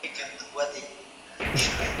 د پانګې وسايل د کارګرانو مثمريت ډېروي.